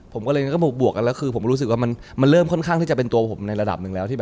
ผมรู้สึกมันเริ่มค่อนข้างจะเป็นตัวผมในระดับนึงแล้ว